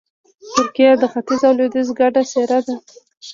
ترکیه د ختیځ او لویدیځ ګډه څېره ده.